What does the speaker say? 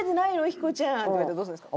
ヒコちゃん」とか言われたらどうするんですか？